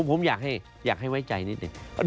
ผมอยากให้ไว้ใจนิดหนึ่ง